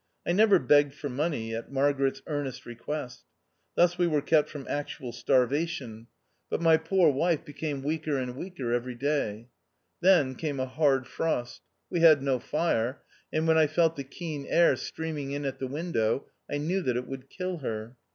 I never begged for money, at Margaret's earnest request. Thus we were kept from actual starvation ; but THE OUTCAST. 207 my poor wife became weaker and weaker every day. Then came a hard frost. We had no fire, and when I felt the keen air streaming; in at the window, I knew that it would kill her.